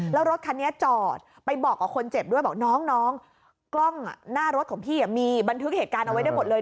แล้วรถคันนี้จอดไปบอกกับคนเจ็บด้วยบอกน้องกล้องหน้ารถของพี่มีบันทึกเหตุการณ์เอาไว้ได้หมดเลย